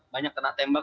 banyak kena tembak